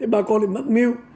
bà con lại mắc mưu